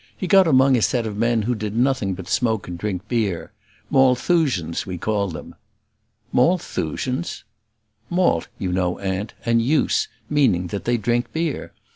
He got among a set of men who did nothing but smoke and drink beer. Malthusians, we call them." "Malthusians!" "'Malt,' you know, aunt, and 'use;' meaning that they drink beer.